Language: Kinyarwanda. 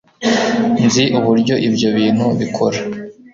Nzi uburyo ibyo bintu bikora